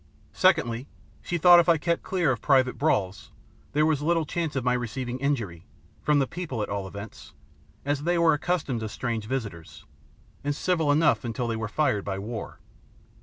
Secondly, she thought if I kept clear of private brawls there was little chance of my receiving injury, from the people at all events, as they were accustomed to strange visitors, and civil enough until they were fired by war.